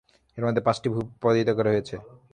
এর মধ্যে পাঁচটি ভূপাতিত করা হয়েছে।